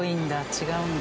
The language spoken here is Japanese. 違うんだ。